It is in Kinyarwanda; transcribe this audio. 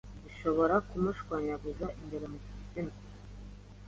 bishobora kumushwanyaguza imbere mu gitsina